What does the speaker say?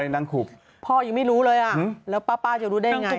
มังคูตเหรอ